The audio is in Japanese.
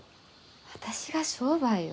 私が商売を？